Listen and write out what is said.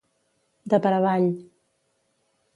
De per avall.